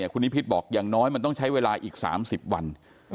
คุณนิพิษบอกอย่างน้อยมันต้องใช้เวลาอีก๓๐วัน